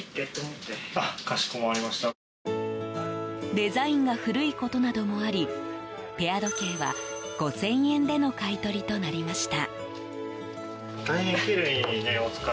デザインが古いことなどもありペア時計は、５０００円での買い取りとなりました。